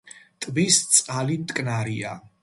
ტბის წყალი მტკნარია.